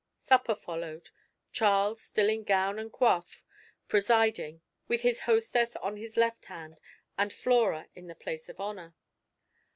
Supper followed, Charles, still in gown and coif, presiding, with his hostess on his left hand, and Flora in the place of honour.